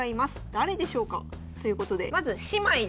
誰でしょうか」ということでまず姉妹です。